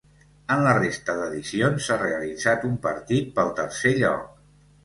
En la resta d'edicions s'ha realitzat un partit pel tercer lloc.